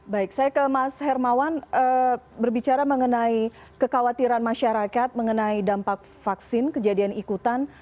baik saya ke mas hermawan berbicara mengenai kekhawatiran masyarakat mengenai dampak vaksin kejadian ikutan